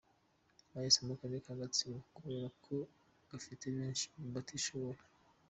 Bahisemo Akarere ka Gatsibo kubera ko ngo gafite benshi mu batishoboye.